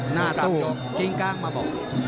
หน้าตู้กิ้งก้างมาบอก